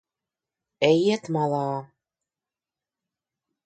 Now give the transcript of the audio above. Ejiet malā.